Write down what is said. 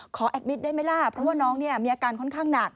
แอดมิตรได้ไหมล่ะเพราะว่าน้องเนี่ยมีอาการค่อนข้างหนัก